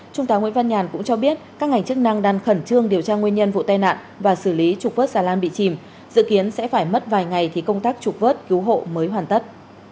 trung tá nguyễn văn nhàn cũng cho biết các ngành chức năng đang khẩn trương điều tra nguyên nhân vụ tai nạn và xử lý trục vớt xà lan bị chìm dự kiến sẽ phải mất vài ngày thì công tác trục vớt cứu hộ mới hoàn tất